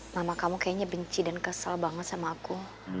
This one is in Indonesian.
nama kamu kayaknya benci dan kesel banget sama aku